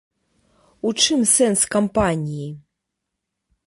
У чым сэнс кампаніі?